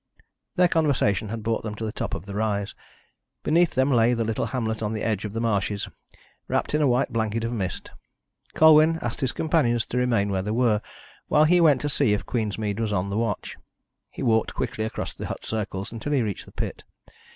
Their conversation had brought them to the top of the rise. Beneath them lay the little hamlet on the edge of the marshes, wrapped in a white blanket of mist. Colwyn asked his companions to remain where they were, while he went to see if Queensmead was on the watch. He walked quickly across the hut circles until he reached the pit.